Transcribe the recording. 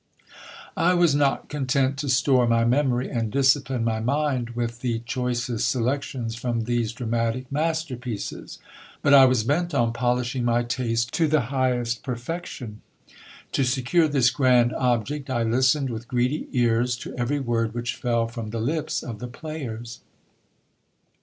I was not content to store my memory and discipline my mind with the choicest selections from these dramatic masterpieces : but I was bent on polish ing my taste to the highest perfection. To secure this grand object, I listened with greedy ears to every word which fell from the lips of the players.